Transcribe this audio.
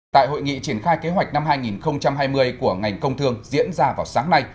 tại hội nghị triển khai kế hoạch năm hai nghìn hai mươi của ngành công thương diễn ra vào sáng nay